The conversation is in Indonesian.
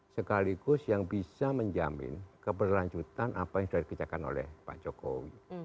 sekaligus yang bisa menjamin keberlanjutan apa yang sudah dikerjakan oleh pak jokowi